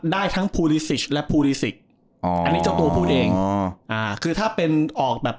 ได้ทั้งและอ๋ออันนี้เจ้าตัวพูดเองอ่าคือถ้าเป็นออกแบบ